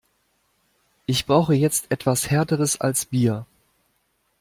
Ich brauche jetzt etwas härteres als Bier.